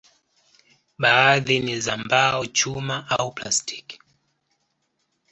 Baadhi ni za mbao, chuma au plastiki.